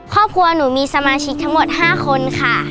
ครอบครัวหนูมีสมาชิกทั้งหมด๕คนค่ะ